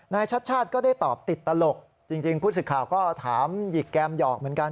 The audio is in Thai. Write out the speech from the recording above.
ชัดชาติก็ได้ตอบติดตลกจริงผู้สื่อข่าวก็ถามหยิกแกมหยอกเหมือนกัน